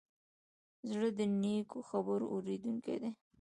زړه د نیکو خبرو اورېدونکی دی.